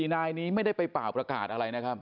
นายนี้ไม่ได้ไปเป่าประกาศอะไรนะครับ